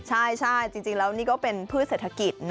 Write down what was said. ใช่จริงแล้วนี่ก็เป็นพืชเศรษฐกิจ